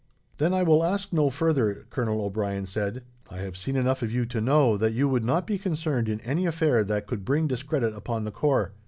"Then I will ask no further," Colonel O'Brien said. "I have seen enough of you to know that you would not be concerned in any affair that could bring discredit upon the corps.